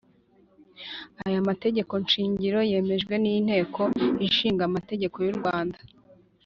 aya mategeko shingiro yemejwe n inteko ishinga amategeko y urwanda